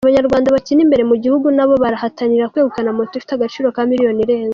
Abanyarwanda bakina imbere mu gihugu, nabo barahatanira kwegukana moto ifite agaciro ka Milioni irenga.